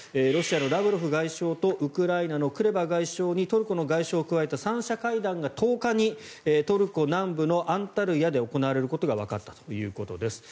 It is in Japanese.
ロシアのラブロフ外相とウクライナのクレバ外相にトルコの外相を加えた３者による協議が１０日にトルコ南部のアンタルヤで行われることがわかったと。